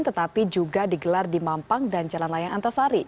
tetapi juga digelar di mampang dan jalan layang antasari